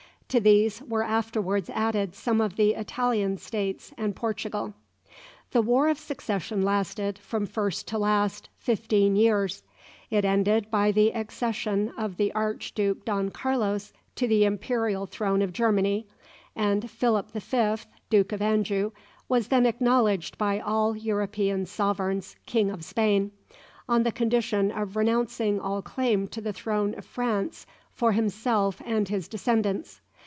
To these were afterwards added some of the Italian states and Portugal. The War of Succession lasted, from first to last, fifteen years. It ended by the accession of the Arch Duke Don Carlos to the imperial throne of Germany, and Philip the Fifth, Duke of Anjou, was then acknowledged by all European sovereigns King of Spain, on the condition of renouncing all claim to the throne of France for himself and his descendants.